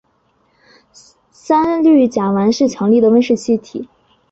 三氟甲烷是强力的温室气体。